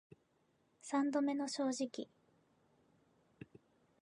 三度目の正直